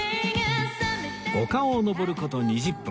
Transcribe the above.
丘を登る事２０分